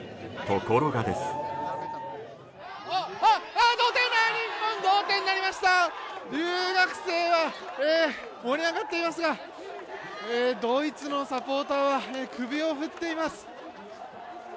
留学生は盛り上がっていますがドイツのサポーターは首を振っています。